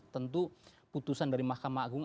tentu putusan dari mahkamah agung